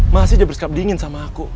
masih dia bersikap dingin sama aku